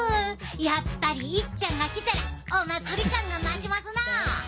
やっぱりいっちゃんが来たらお祭り感が増しますなあ！